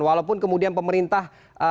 walaupun kemudian pemerintah